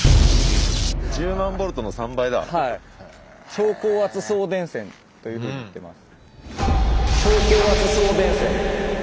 超高圧送電線というふうに言ってます。